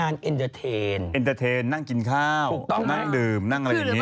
ก็ไปแจ้งความฮะ